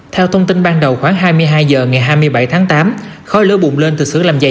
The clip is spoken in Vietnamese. theo thông tin ban đầu khoảng hai mươi hai giờ ngày hai mươi bảy tháng tám khói lửa bụng lên từ xưởng làm dài